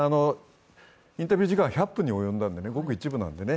インタビュー時間は１００分に及んだのでごく一部なってすね。